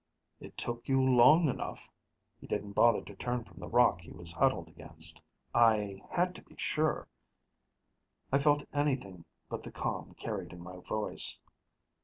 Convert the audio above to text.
"It took you long enough." He didn't bother to turn from the rock he was huddled against. "I had to be sure." I felt anything but the calm carried in my voice.